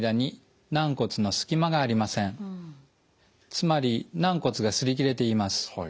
つまり軟骨がすり切れています。